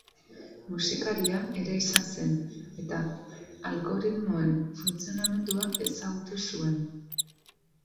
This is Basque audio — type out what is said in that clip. Musikaria ere izan zen eta algoritmoen funtzionamendua ezagutzen zuen.